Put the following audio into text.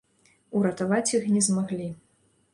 Уратаваць іх не змаглі.